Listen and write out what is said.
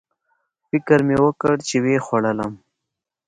فکر مې وکړ چې ویې خوړلم